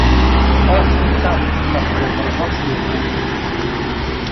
— Още там, на превързочния пункт.